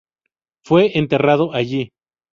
Fue enterrado allí.